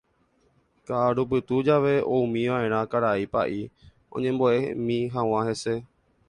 Ka'arupytũ jave oúmiva'erã karai pa'i oñembo'emi hag̃ua hese.